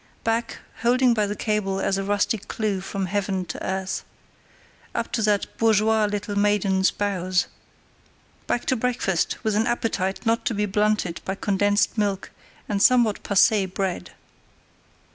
Back, holding by the cable as a rusty clue from heaven to earth, up to that bourgeoise little maiden's bows; back to breakfast, with an appetite not to be blunted by condensed milk and somewhat passé bread.